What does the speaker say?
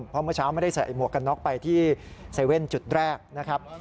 เพราะเมื่อเช้าไม่ได้ใส่หมวกกันน็อกไปที่๗๑๑จุดแรกนะครับ